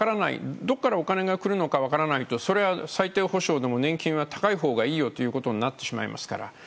しかし、どこからお金がくるか分からないということであれば最低保障でも年金が高いほうがいいよということになってしまいますから。